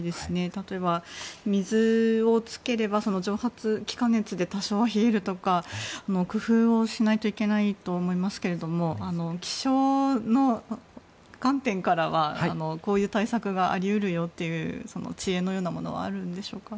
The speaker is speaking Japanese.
例えば、水をつければ気化熱で多少は冷えるとか工夫をしないといけないと思いますけども気象の観点からはこういう対策があり得るという知恵のようなものはあるんでしょうか。